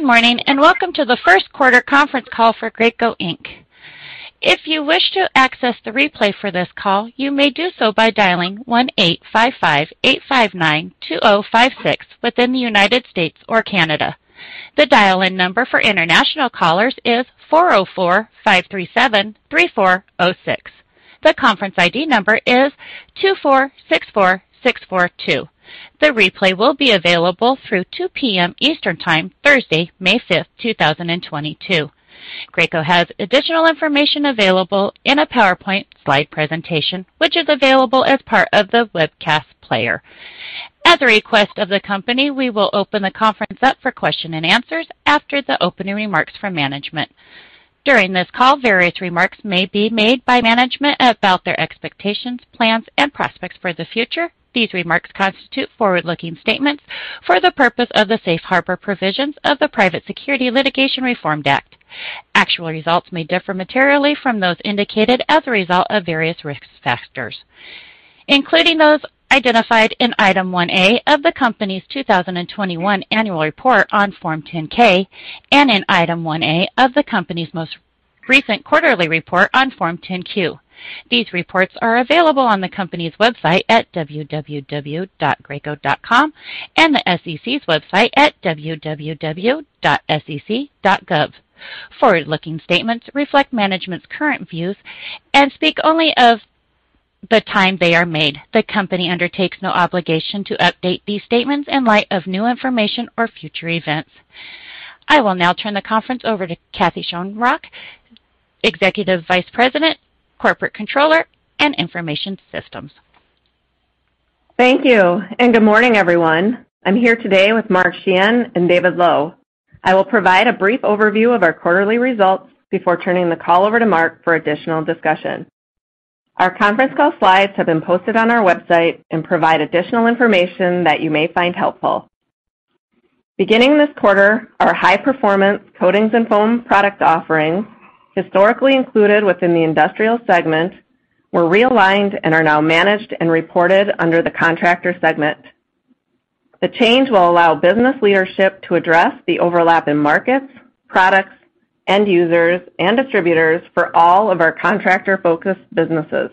Good morning, and welcome to the Q1 conference call for Graco Inc. If you wish to access the replay for this call, you may do so by dialing 1-855-859-2056 within the United States or Canada. The dial-in number for international callers is 404-537-3406. The conference ID number is 2464642. The replay will be available through 2 P.M. Eastern Time, Thursday, May 5, 2022. Graco has additional information available in a PowerPoint slide presentation, which is available as part of the webcast player. As a request of the company, we will open the conference up for question and answers after the opening remarks from management. During this call, various remarks may be made by management about their expectations, plans, and prospects for the future. These remarks constitute forward-looking statements for the purpose of the Safe Harbor provisions of the Private Securities Litigation Reform Act. Actual results may differ materially from those indicated as a result of various risk factors, including those identified in Item 1A of the company's 2021 annual report on Form 10-K and in Item 1A of the company's most recent quarterly report on Form 10-Q. These reports are available on the company's website at www.graco.com and the SEC's website at www.sec.gov. Forward-looking statements reflect management's current views and speak only of the time they are made. The company undertakes no obligation to update these statements in light of new information or future events. I will now turn the conference over to Kathryn Schoenrock, Executive Vice President, Corporate Controller and Information Systems. Thank you, and good morning, everyone. I'm here today with Mark Sheahan and David Lowe. I will provide a brief overview of our quarterly results before turning the call over to Mark for additional discussion. Our conference call slides have been posted on our website and provide additional information that you may find helpful. Beginning this quarter, our high-performance coatings and foam product offerings, historically included within the Industrial segment, were realigned and are now managed and reported under the Contractor segment. The change will allow business leadership to address the overlap in markets, products, end users, and distributors for all of our contractor-focused businesses.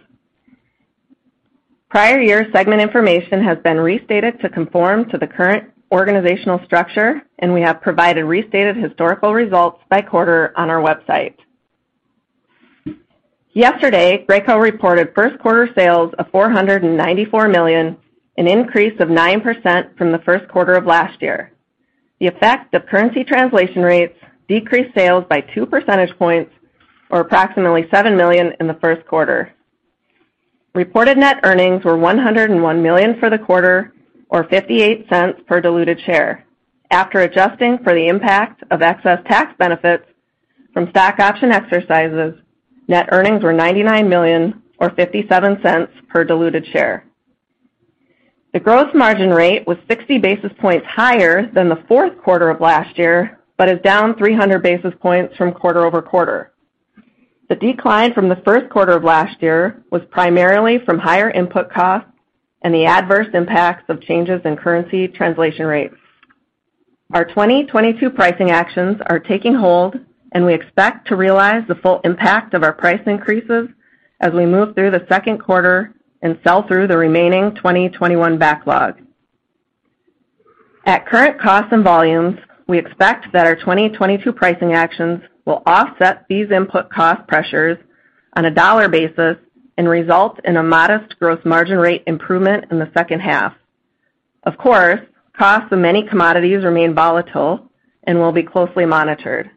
Prior year segment information has been restated to conform to the current organizational structure, and we have provided restated historical results by quarter on our website. Yesterday, Graco reported Q1 sales of $494 million, an increase of 9% from the Q1 of last year. The effect of currency translation rates decreased sales by 2 percentage points or approximately $7 million in the Q1. Reported net earnings were $101 million for the quarter or $0.58 per diluted share. After adjusting for the impact of excess tax benefits from stock option exercises, net earnings were $99 million or $0.57 per diluted share. The gross margin rate was 60 basis points higher than the Q4 of last year, but is down 300 basis points from quarter-over-quarter. The decline from the Q1 of last year was primarily from higher input costs and the adverse impacts of changes in currency translation rates. Our 2022 pricing actions are taking hold, and we expect to realize the full impact of our price increases as we move through the Q2 and sell through the remaining 2021 backlog. At current costs and volumes, we expect that our 2022 pricing actions will offset these input cost pressures on a dollar basis and result in a modest gross margin rate improvement in the H2. Of course, costs of many commodities remain volatile and will be closely monitored.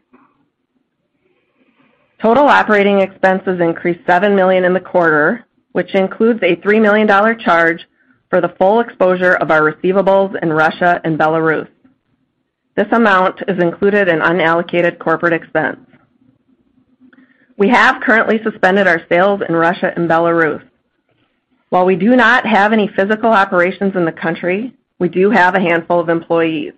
Total operating expenses increased $7 million in the quarter, which includes a $3 million charge for the full exposure of our receivables in Russia and Belarus. This amount is included in unallocated corporate expense. We have currently suspended our sales in Russia and Belarus. While we do not have any physical operations in the country, we do have a handful of employees.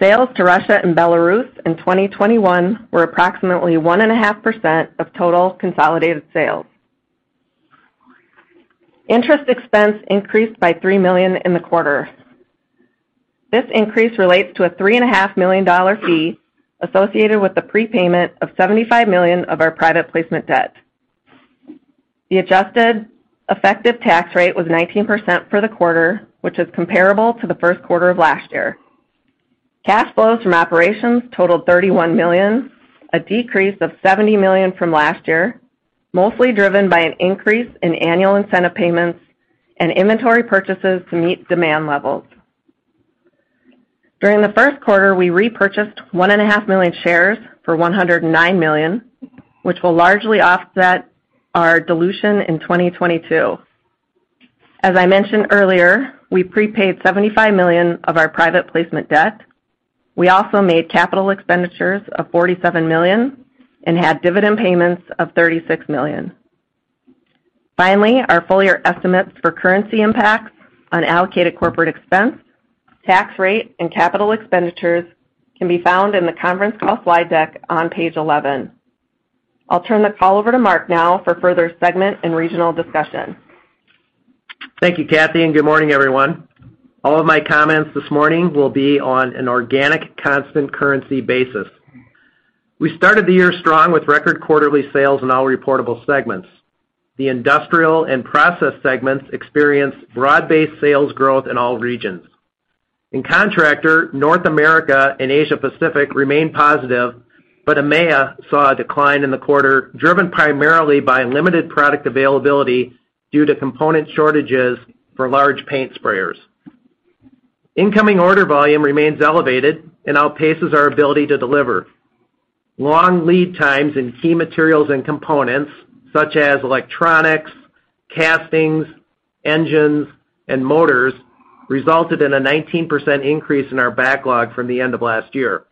Sales to Russia and Belarus in 2021 were approximately 1.5% of total consolidated sales. Interest expense increased by $3 million in the quarter. This increase relates to a $3.5 million fee associated with the prepayment of $75 million of our private placement debt. The adjusted effective tax rate was 19% for the quarter, which is comparable to the Q1 of last year. Cash flows from operations tottaled $31 million, a decrease of $70 million from last year, mostly driven by an increase in annual incentive payments and inventory purchases to meet demand levels. During the Q1, we repurchased 1.5 million shares for $109 million, which will largely offset our dilution in 2022. As I mentioned earlier, we prepaid $75 million of our private placement debt. We also made capital expenditures of $47 million and had dividend payments of $36 million. Finally, our full year estimates for currency impacts on allocated corporate expense, tax rate, and capital expenditures can be found in the conference call slide deck on page 11. I'll turn the call over to Mark now for further segment and regional discussion. Thank you, Kathy, and good morning, everyone. All of my comments this morning will be on an organic constant currency basis. We started the year strong with record quarterly sales in all reportable segments. The Industrial and Process segments experienced broad-based sales growth in all regions. In Contractor, North America and Asia Pacific remained positive, but EMEA saw a decline in the quarter, driven primarily by limited product availability due to component shortages for large paint sprayers. Incoming order volume remains elevated and outpaces our ability to deliver. Long lead times in key materials and components such as electronics, castings, engines, and motors resulted in a 19% increase in our backlog from the end of last year.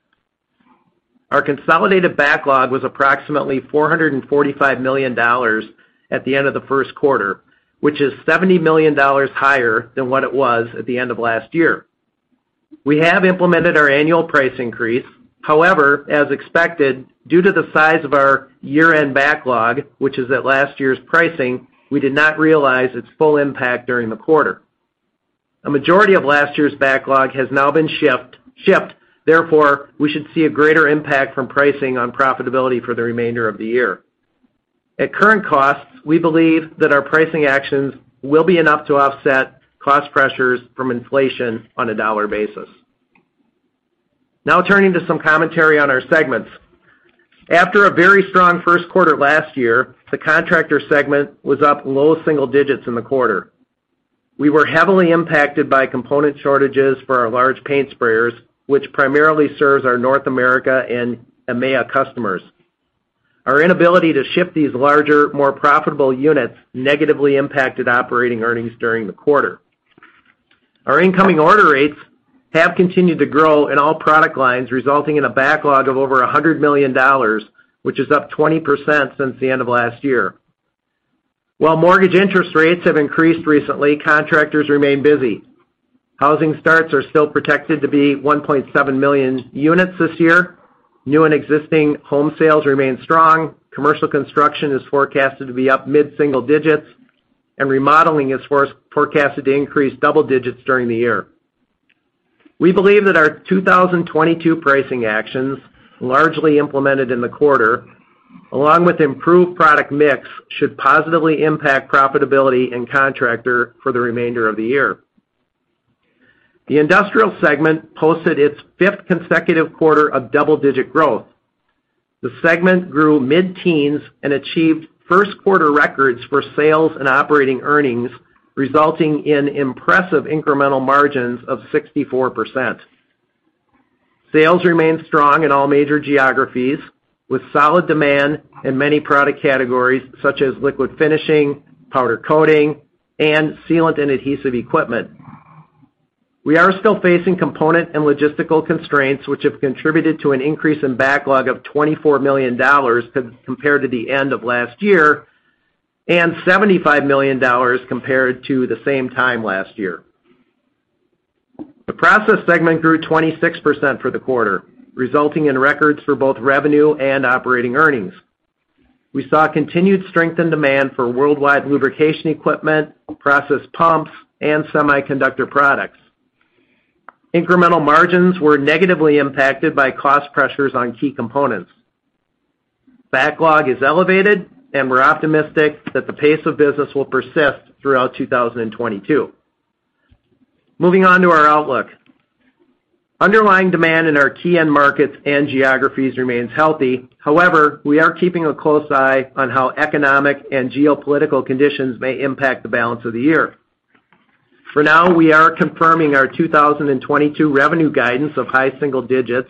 Our consolidated backlog was appgroximately $445 million at the end of the first quarter, which is $70 million higher than what it was at the end of last year. We have implemented our annual price increase. However, as expected, due to the size of our year-end backlog, which is at last year's pricing, we did not realize its full impact during the quarter. A majority of last year's backlog has now been shipped. Therefore, we should see a greater impact from pricing on profitability for the remainder of the year. At current costs, we believe that our pricing actions will be enough to offset cost pressures from inflation on a dollar basis. Now turning to some commentary on our segments. After a very strong Q1 last year, the Contractor segment was up low single digits in the quarter. We were heavily impacted by component shortages for our large paint sprayers, which primarily serves our North America and EMEA customers. Our inability to ship these larger, more profitable units negatively impacted operating earnings during the quarter. Our incoming order rates have continued to grow in all product lines, resulting in a backlog of over $100 million, which is up 20% since the end of last year. While mortgage interest rates have increased recently, contractors remain busy. Housing starts are still projected to be 1.7 million units this year. New and existing home sales remain strong. Commercial construction is forecasted to be up mid-single digits, and remodeling is forecasted to increase double digits during the year. We believe that our 2022 pricing actions, largely implemented in the quarter, along with improved product mix, should positively impact profitability and Contractor segment for the remainder of the year. The Industrial segment posted its 5th consecutive quarter of double-digit growth. The segment grew mid-teens and achieved Q1 records for sales and operating earnings, resulting in impressive incremental margins of 64%. Sales remained strong in all major geographies with solid demand in many product categories such as liquid finishing, powder coating, and sealant and adhesive equipment. We are still facing component and logistical constraints, which have contributed to an increase in backlog of $24 million compared to the end of last year, and $75 million compared to the same time last year. The Process segment grew 26% for the quarter, resulting in records for both revenue and operating earnings. We saw continued strength and demand for worldwide lubrication equipment, process pumps, and semiconductor products. Incremental margins were negatively impacted by cost pressures on key components. Backlog is elevated, and we're optimistic that the pace of business will persist throughout 2022. Moving on to our outlook. Underlying demand in our key end markets and geographies remains healthy. However, we are keeping a close eye on how economic and geopolitical conditions may impact the balance of the year. For now, we are confirming our 2022 revenue guidance of high single digits%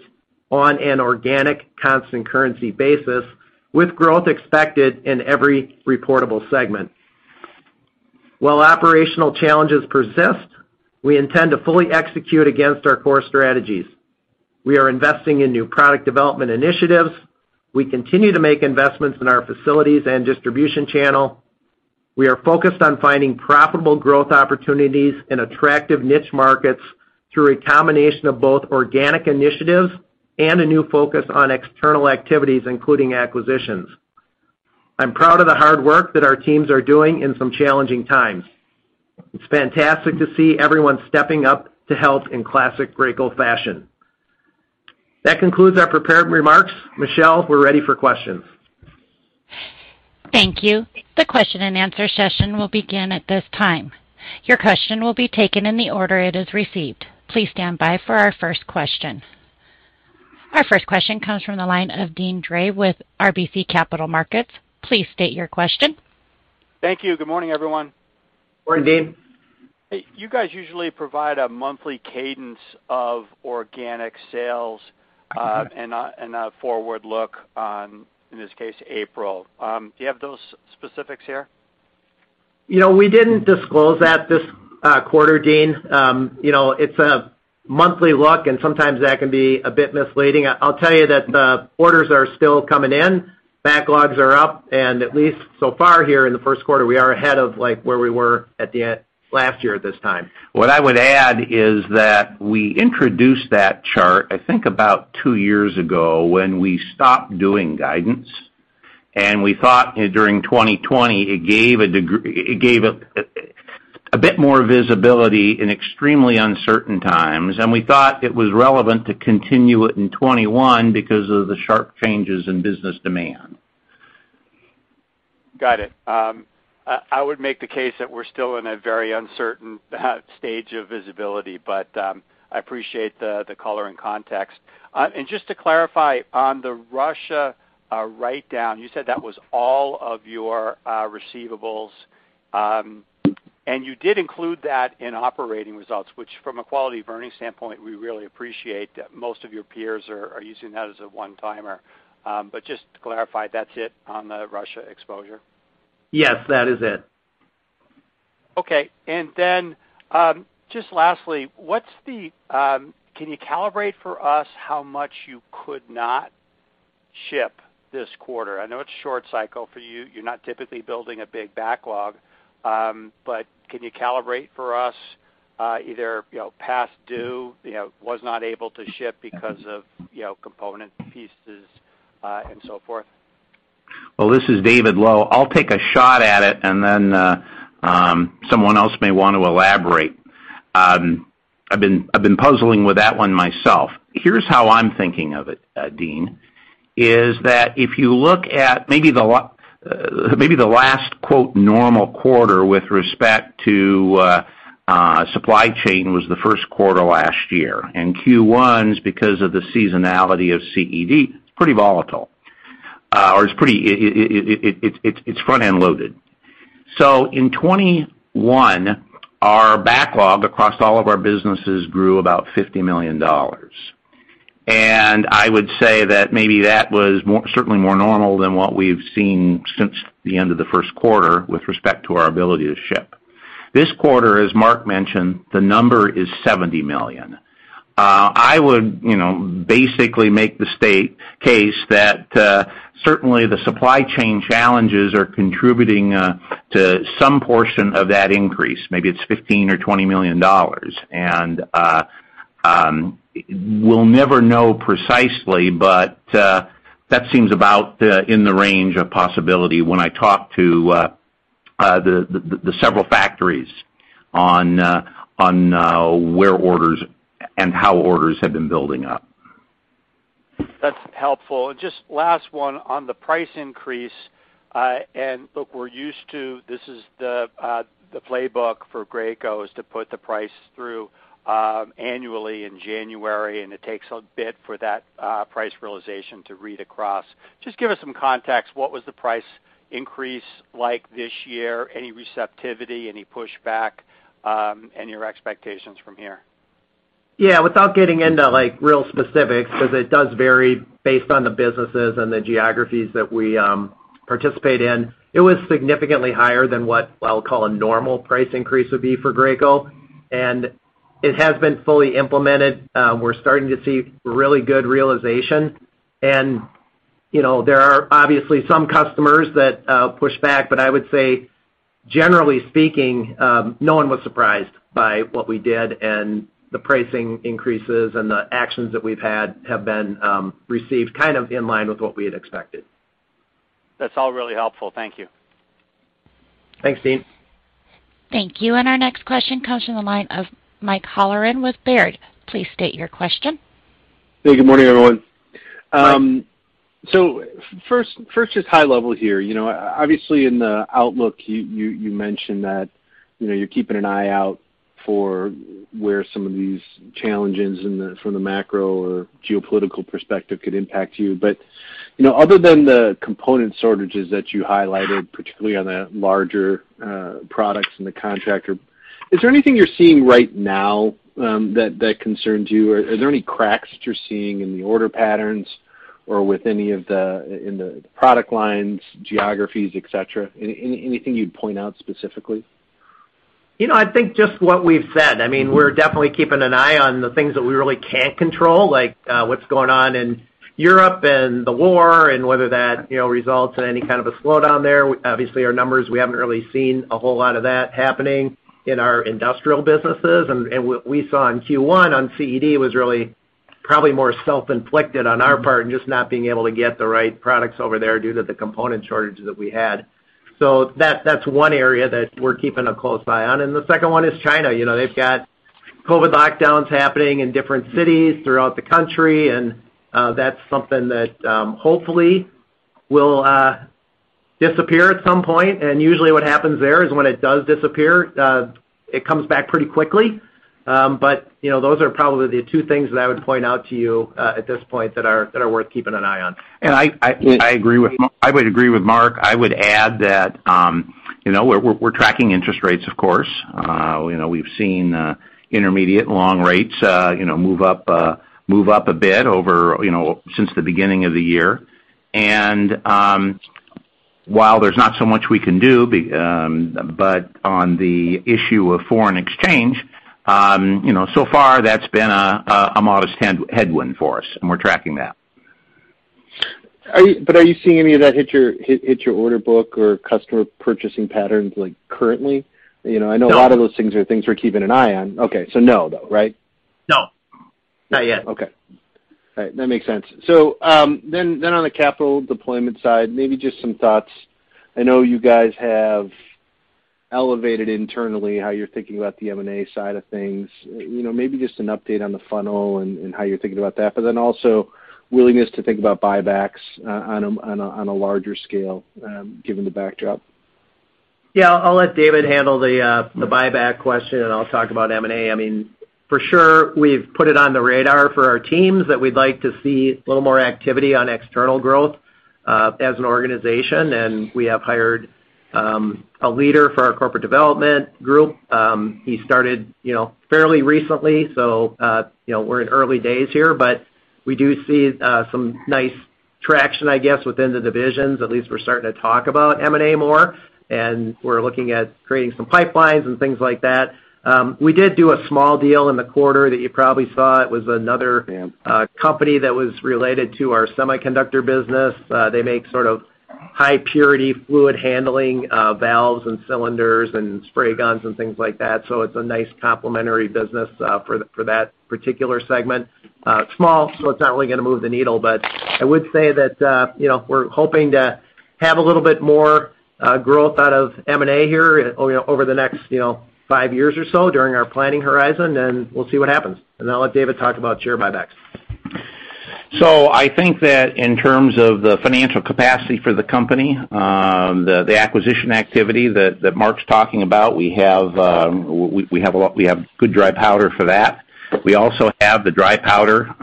on an organic constant currency basis, with growth expected in every reportable segment. While operational challenges persist, we intend to fully execute against our core strategies. We are investing in new product development initiatives. We continue to make investments in our facilities and distribution channel. We are focused on finding profitable growth opportunities in attractive niche markets through a combination of both organic initiatives and a new focus on external activities, including acquisitions. I'm proud of the hard work that our teams are doing in some challenging times. It's fantastic to see everyone stepping up to help in classic Graco fashion. That concludes our prepared remarks. Michelle, we're ready for questions. Thank you. The question-and-answer session will begin at this time. Your question will be taken in the order it is received. Please stand by for our first question. Our first question comes from the line of Deane Dray with RBC Capital Markets. Please state your question. Thank you. Good morning, everyone. Good morning, Deane. You guys usually provide a monthly cadence of organic sales, and a forward look on, in this case, April. Do you have those specifics here? You know, we didn't disclose that this quarter, Dean. You know, it's a monthly look, and sometimes that can be a bit misleading. I'll tell you that the orders are still coming in, backlogs are up, and at least so far here in the Q1, we are ahead of, like, where we were at the end last year at this time. What I would add is that we introduced that chart, I think about 2 years ago when we stopped doing guidance. We thought during 2020, it gave a bit more visibility in extremely uncertain times. We thought it was relevant to continue it in 2021 because of the sharp changes in business demand. Got it. I would make the case that we're still in a very uncertain stage of visibility, but I appreciate the color and context. Just to clarify on the Russia write-down, you said that was all of your receivables. You did include that in operating results, which from a quality of earnings standpoint, we really appreciate that most of your peers are using that as a one-timer. Just to clarify, that's it on the Russia exposure? Yes, that is it. Okay. Just lastly, can you calibrate for us how much you could not ship this quarter? I know it's short cycle for you. You're not typically building a big backlog. Can you calibrate for us either, you know, past due, you know, was not able to ship because of, you know, component pieces and so forth? Well, this is David Lowe. I'll take a shot at it, and then, someone else may want to elaborate. I've been puzzling with that 1 myself. Here's how I'm thinking of it, Deane, is that if you look at maybe the last quote normal quarter with respect to supply chain was the Q1 last year. Q1's, because of the seasonality of CED, it's pretty volatile. Or it's pretty front-end loaded. In 2021, our backlog across all of our businesses grew about $50 million. I would say that maybe that was certainly more normal than what we've seen since the end of the Q1 with respect to our ability to ship. This quarter, as Mark mentioned, the number is $70 million. I would, you know, basically make the case that certainly the supply chain challenges are contributing to some portion of that increase. Maybe it's $15-$20 million. We'll never know precisely, but that seems about in the range of possibility when I talk to the several factories on where orders and how orders have been building up. That's helpful. Just last 1 on the price increase, and look, we're used to the playbook for Graco is to put the price through annually in January, and it takes a bit for that price realization to read across. Just give us some context, what was the price increase like this year? Any receptivity, any pushback, and your expectations from here? Yeah, without getting into like real specifics, because it does vary based on the businesses and the geographies that we participate in, it was significantly higher than what I'll call a normal price increase would be for Graco, and it has been fully implemented. We're starting to see really good realization. You know, there are obviously some customers that push back, but I would say generally speaking, no 1 was surprised by what we did and the pricing increases and the actions that we've had have been received kind of in line with what we had expected. That's all really helpful. Thank you. Thanks, Deane. Thank you. Our next question comes from the line of Mike Halloran with Baird. Please state your question. Hey, good morning, everyone. First, just high level here. You know, obviously in the outlook, you mentioned that, you know, you're keeping an eye out for where some of these challenges from the macro or geopolitical perspective could impact you. You know, other than the component shortages that you highlighted, particularly on the larger products in the contractor, is there anything you're seeing right now, that concerns you? Or are there any cracks that you're seeing in the order patterns or with any of the, in the product lines, geographies, et cetera? Anything you'd point out specifically? You know, I think just what we've said. I mean, we're definitely keeping an eye on the things that we really can't control, like what's going on in Europe and the war and whether that, you know, results in any kind of a slowdown there. Obviously, our numbers, we haven't really seen a whole lot of that happening in our industrial businesses. What we saw in Q1 on CED was really probably more self-inflicted on our part and just not being able to get the right products over there due to the component shortages that we had. That's 1 area that we're keeping a close eye on. The second 1 is China. You know, they've got COVID lockdowns happening in different cities throughout the country, and that's something that hopefully will disappear at some point. Usually what happens there is when it does disappear, it comes back pretty quickly. But you know, those are probably the 2 things that I would point out to you, at this point that are worth keeping an eye on. I agree with Mark. I would add that, you know, we're tracking interest rates, of course. You know, we've seen intermediate and long rates, you know, move up a bit over, you know, since the beginning of the year. While there's not so much we can do, but on the issue of foreign exchange, you know, so far that's been a modest headwind for us, and we're tracking that. Are you seeing any of that hit your order book or customer purchasing patterns like currently? You know, I know- No. A lot of those things are things we're keeping an eye on. Okay. No though, right? No. Not yet. Okay. All right, that makes sense. On the capital deployment side, maybe just some thoughts. I know you guys have elevated internally how you're thinking about the M&A side of things. You know, maybe just an update on the funnel and how you're thinking about that, but then also willingness to think about buybacks on a larger scale, given the backdrop. Yeah. I'll let David handle the buyback question, and I'll talk about M&A. I mean, for sure, we've put it on the radar for our teams that we'd like to see a little more activity on external growth as an organization. We have hired a leader for our corporate development group. He started, you know, fairly recently, so you know, we're in early days here. We do see some nice traction, I guess, within the divisions. At least we're starting to talk about M&A more, and we're looking at creating some pipelines and things like that. We did do a small deal in the quarter that you probably saw. It was another. Yeah Company that was related to our semiconductor business. They make sort of high-purity fluid handling, valves and cylinders and spray guns and things like that. It's a nice complementary business, for that particular segment. It's small, so it's not really gonna move the needle, but I would say that, you know, we're hoping to have a little bit more growth out of M&A here, you know, over the next 5 years or so during our planning horizon, and we'll see what happens. Then I'll let David talk about share buybacks. I think that in terms of the financial capacity for the company, the acquisition activity that Mark's talking about, we have good dry powder for that. We also have the dry powder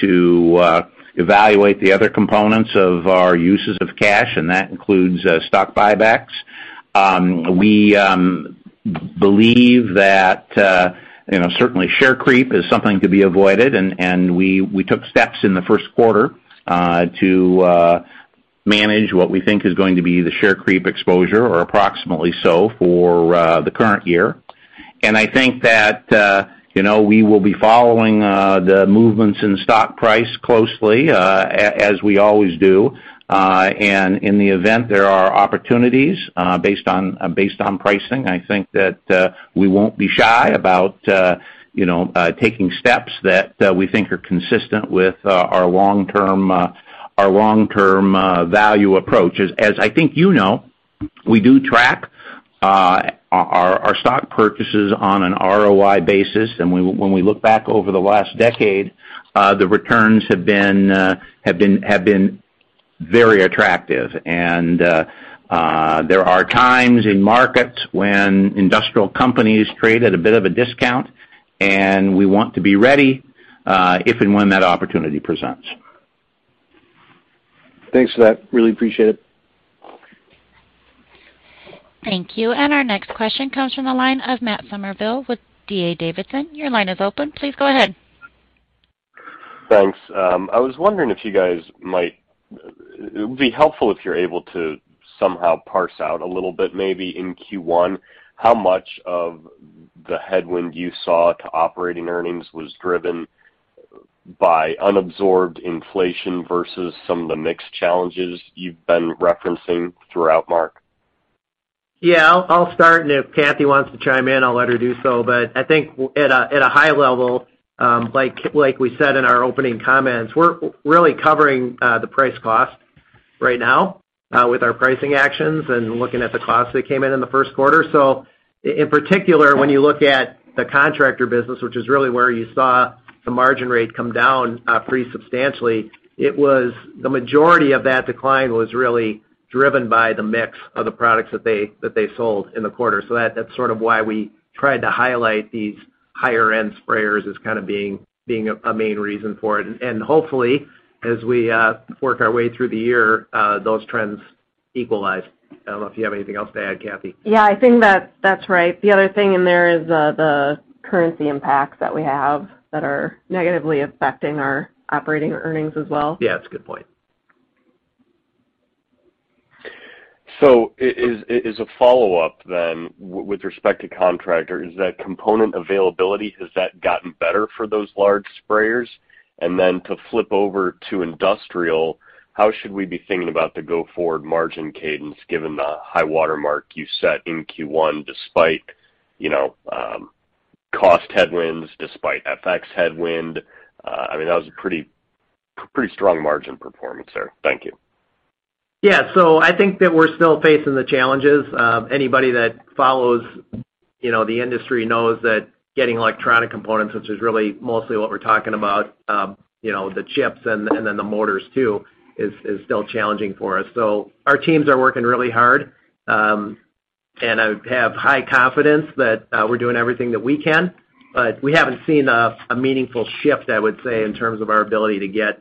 to evaluate the other components of our uses of cash, and that includes stock buybacks. We believe that, you know, certainly share creep is something to be avoided, and we took steps in the Q1 to manage what we think is going to be the share creep exposure or approximately so for the current year. I think that, you know, we will be following the movements in stock price closely as we always do. In the event there are opportunities, based on pricing, I think that we won't be shy about, you know, taking steps that we think are consistent with our long-term value approach. As I think you know, we do track our stock purchases on an ROI basis. When we look back over the last decade, the returns have been very attractive. There are times in markets when industrial companies trade at a bit of a discount, and we want to be ready if and when that opportunity presents. Thanks for that. Really appreciate it. Thank you. Our next question comes from the line of Matt Summerville with D.A. Davidson. Your line is open. Please go ahead. Thanks. It would be helpful if you're able to somehow parse out a little bit maybe in Q1, how much of the headwind you saw to operating earnings was driven by unabsorbed inflation versus some of the mix challenges you've been referencing throughout, Mark. Yeah. I'll start, and if Kathy wants to chime in, I'll let her do so. I think at a high level, like we said in our opening comments, we're really covering the price cost right now with our pricing actions and looking at the costs that came in in the Q1. In particular, when you look at the contractor business, which is really where you saw the margin rate come down pretty substantially, it was the majority of that decline was really driven by the mix of the products that they sold in the quarter. That's sort of why we tried to highlight these higher-end sprayers as kind of being a main reason for it. Hopefully, as we work our way through the year, those trends equalize. I don't know if you have anything else to add, Kathy. Yeah. I think that's right. The other thing in there is the currency impacts that we have that are negatively affecting our operating earnings as well. Yeah. That's a good point. As a follow-up then with respect to Contractor, is that component availability has that gotten better for those large sprayers? To flip over to Industrial, how should we be thinking about the go-forward margin cadence given the high watermark you set in Q1 despite cost headwinds, despite FX headwind? I mean, that was a pretty strong margin performance there. Thank you. Yeah. I think that we're still facing the challenges. Anybody that follows, you know, the industry knows that getting electronic components, which is really mostly what we're talking about, you know, the chips and then the motors too, is still challenging for us. Our teams are working really hard, and I have high confidence that we're doing everything that we can, but we haven't seen a meaningful shift, I would say, in terms of our ability to get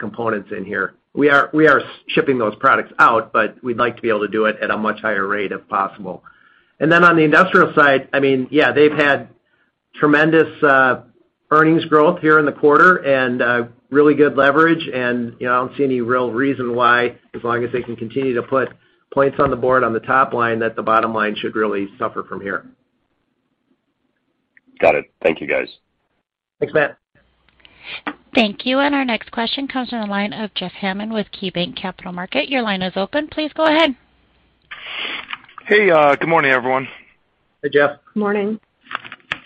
components in here. We are shipping those products out, but we'd like to be able to do it at a much higher rate if possible. On the industrial side, I mean, yeah, they've had tremendous earnings growth here in the quarter and really good leverage. you know, I don't see any real reason why, as long as they can continue to put points on the board on the top line, that the bottom line should really suffer from here. Got it. Thank you, guys. Thanks, Matt. Thank you. Our next question comes from the line of Jeff Hammond with KeyBanc Capital Markets. Your line is open. Please go ahead. Hey, good morning, everyone. Hey, Jeff. Morning.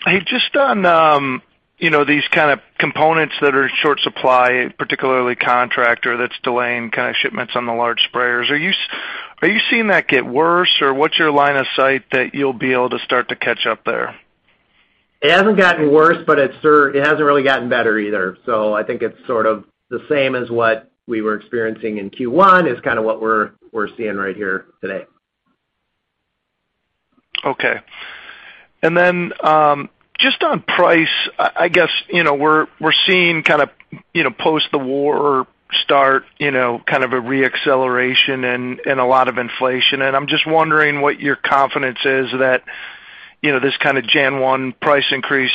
Hey, just on, you know, these kind of components that are in short supply, particularly Contractor, that's delaying kind of shipments on the large sprayers. Are you seeing that get worse, or what's your line of sight that you'll be able to start to catch up there? It hasn't gotten worse, but it hasn't really gotten better either. I think it's sort of the same as what we were experiencing in Q1 is kind of what we're seeing right here today. Okay. Just on price, I guess, you know, we're seeing kind of, you know, post the war start, you know, kind of a re-acceleration and a lot of inflation. I'm just wondering what your confidence is that, you know, this kind of Jan 1 price increase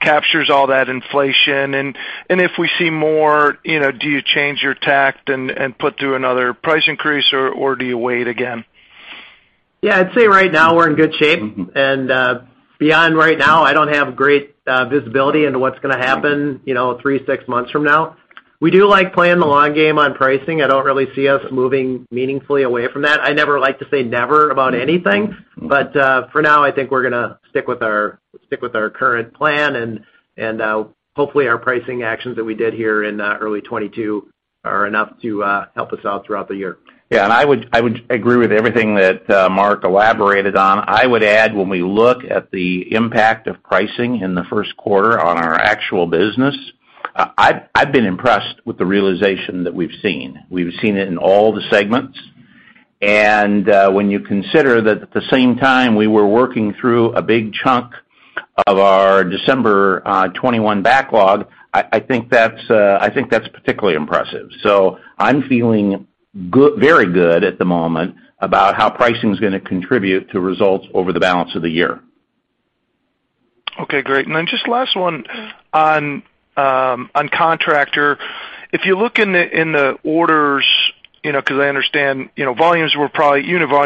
captures all that inflation. If we see more, you know, do you change your tack and put through another price increase, or do you wait again? Yeah, I'd say right now we're in good shape. Beyond right now, I don't have great visibility into what's gonna happen, you know, 3-6 months from now. We do like playing the long game on pricing. I don't really see us moving meaningfully away from that. I never like to say never about anything, but for now, I think we're gonna stick with our current plan and hopefully, our pricing actions that we did here in early 2022 are enough to help us out throughout the year. Yeah. I would agree with everything that Mark elaborated on. I would add when we look at the impact of pricing in the Q1 on our actual business, I've been impressed with the realization that we've seen. We've seen it in all the segments. When you consider that at the same time, we were working through a big chunk of our December 2021 backlog, I think that's particularly impressive. I'm feeling good, very good at the moment about how pricing's gonna contribute to results over the balance of the year. Okay, great. Then just last 1 on Contractor. If you look in the orders, you know, 'cause I understand, you know, unit volumes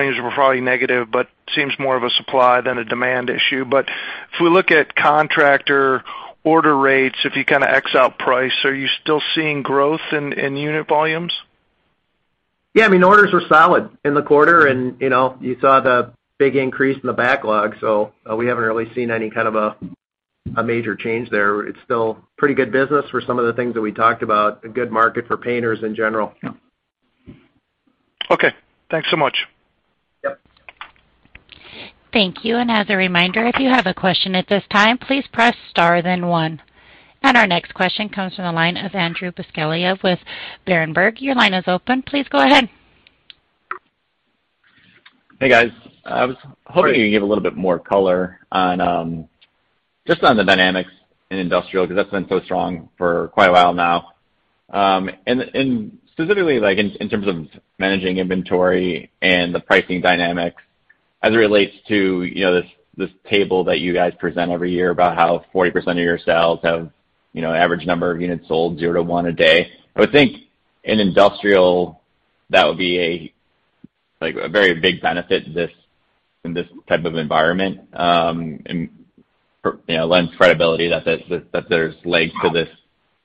were probably negative, but seems more of a supply than a demand issue. If we look at Contractor order rates, if you kind of X out price, are you still seeing growth in unit volumes? Yeah. I mean, orders were solid in the quarter, and, you know, you saw the big increase in the backlog. We haven't really seen any kind of a major change there. It's still pretty good business for some of the things that we talked about, a good market for painters in general. Okay. Thanks so much. Yep. Thank you. As a reminder, if you have a question at this time, please press star then one. Our next question comes from the line of Andrew Buscaglia with Berenberg. Your line is open. Please go ahead. Hey, guys. I was hoping you could give a little bit more colour on, just on the dynamics in industrial, 'cause that's been so strong for quite a while now. And specifically like in terms of managing inventory and the pricing dynamics as it relates to, you know, this table that you guys present every year about how 40% of your sales have, you know, average number of units sold 0-1 a day. I would think in industrial, that would be a, like, a very big benefit to this, in this type of environment, and you know, lends credibility that there's legs to this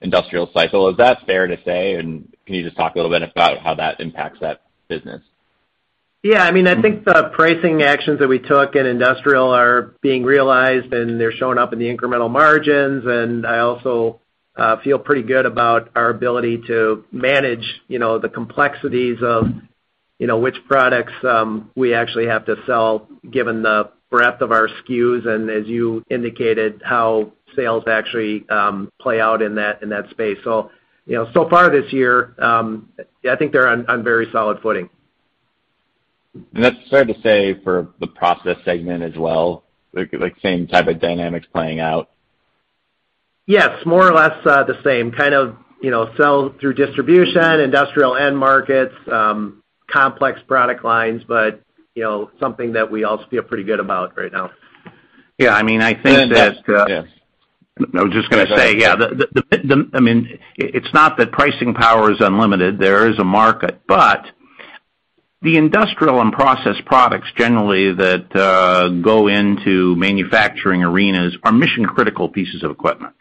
industrial cycle. Is that fair to say? Can you just talk a little bit about how that impacts that business? Yeah. I mean, I think the pricing actions that we took in Industrial are being realized, and they're showing up in the incremental margins. I also feel pretty good about our ability to manage, you know, the complexities of, you know, which products we actually have to sell given the breadth of our SKUs, and as you indicated, how sales actually play out in that space. You know, so far this year, I think they're on very solid footing. That's fair to say for the Process segment as well, like same type of dynamics playing out? Yes, more or less, the same. Kind of, you know, sell through distribution, industrial end markets, complex product lines, but, you know, something that we all feel pretty good about right now. Yeah. I mean, I think that. And then just- I was just gonna say, yeah, I mean, it's not that pricing power is unlimited. There is a market, but the industrial and process products generally that go into manufacturing arenas are mission-critical pieces of equipment.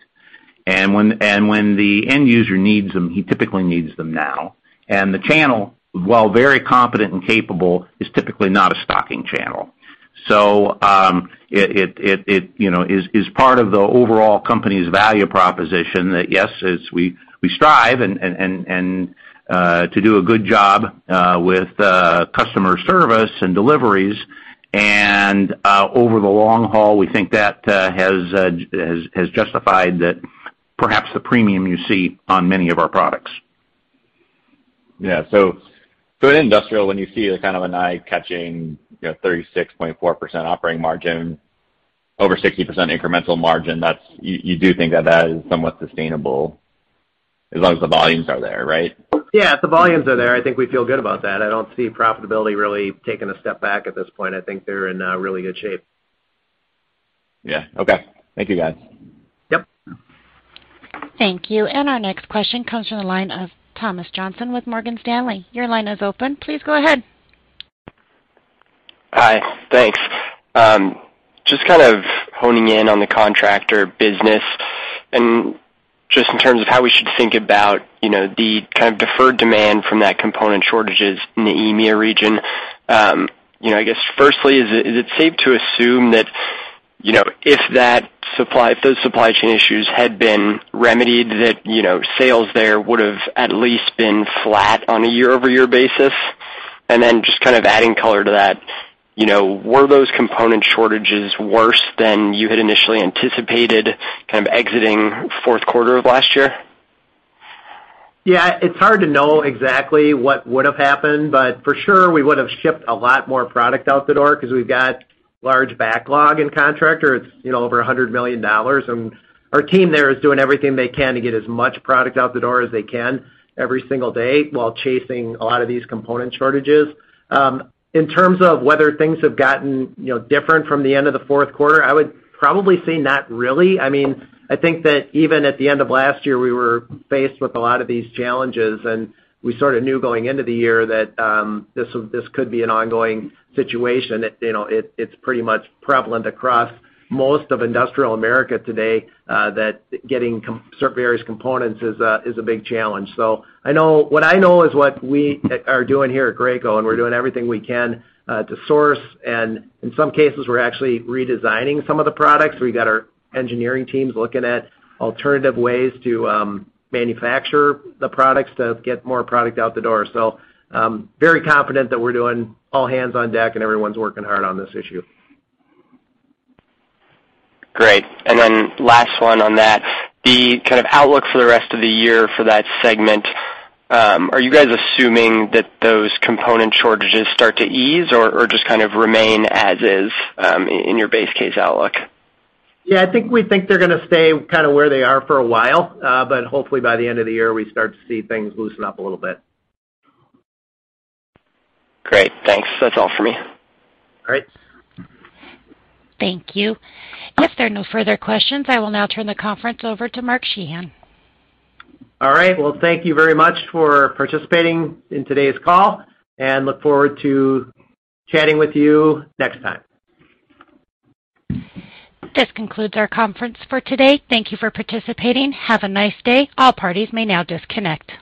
When the end user needs them, he typically needs them now. The channel, while very competent and capable, is typically not a stocking channel. It, you know, is part of the overall company's value proposition that, yes, as we strive and to do a good job with customer service and deliveries. Over the long haul, we think that has justified that perhaps the premium you see on many of our products. Yeah. In industrial, when you see a kind of an eye-catching, you know, 36.4% operating margin, over 60% incremental margin, that's, you do think that is somewhat sustainable as long as the volumes are there, right? Yeah. If the volumes are there, I think we feel good about that. I don't see profitability really taking a step back at this point. I think they're in really good shape. Yeah. Okay. Thank you, guys. Yep. Thank you. Our next question comes from the line of Thomas Johnson with Morgan Stanley. Your line is open. Please go ahead. Hi. Thanks. Just kind of honing in on the Contractor business and just in terms of how we should think about, you know, the kind of deferred demand from that component shortages in the EMEA region. You know, I guess firstly, is it safe to assume that, you know, if those supply chain issues had been remedied, that, you know, sales there would've at least been flat on a year-over-year basis? Just kind of adding color to that, you know, were those component shortages worse than you had initially anticipated kind of exiting Q4 of last year? Yeah. It's hard to know exactly what would've happened, but for sure we would've shipped a lot more product out the door 'cause we've got large backlog in Contractor. It's, you know, over $100 million, and our team there is doing everything they can to get as much product out the door as they can every single day while chasing a lot of these component shortages. In terms of whether things have gotten, you know, different from the end of the Q4, I would probably say not really. I mean, I think that even at the end of last year, we were faced with a lot of these challenges, and we sorta knew going into the year that this could be an ongoing situation. You know, it's pretty much prevalent across most of industrial America today, that getting certain various components is a big challenge. I know what we are doing here at Graco, and we're doing everything we can to source, and in some cases, we're actually redesigning some of the products. We've got our engineering teams looking at alternative ways to manufacture the products to get more product out the door. Very confident that we're doing all hands on deck, and everyone's working hard on this issue. Great. Last 1 on that. The kind of outlook for the rest of the year for that segment, are you guys assuming that those component shortages start to ease or just kind of remain as is, in your base case outlook? Yeah, I think we think they're gonna stay kinda where they are for a while, but hopefully by the end of the year, we start to see things loosen up a little bit. Great. Thanks. That's all for me. Great. Thank you. If there are no further questions, I will now turn the conference over to Mark Sheahan. All right. Well, thank you very much for participating in today's call and look forward to chatting with you next time. This concludes our conference for today. Thank you for participating. Have a nice day. All parties may now disconnect.